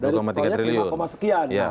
dari tuanya lima sekian